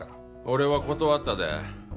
俺は断ったで。